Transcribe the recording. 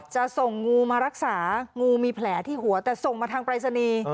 จะส่งงูมารักษางูมีแผลที่หัวแต่ส่งมาทางปรายศนีย์